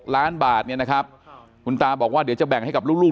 ล้านบาทเนี่ยนะครับคุณตาบอกว่าเดี๋ยวจะแบ่งให้กับลูก